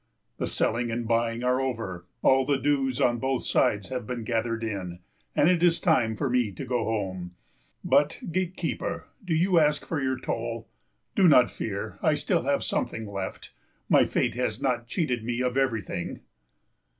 The selling and buying are over. All the dues on both sides have been gathered in, and it is time for me to go home. But, gatekeeper, do you ask for your toll? Do not fear, I have still something left. My fate has not cheated me of everything.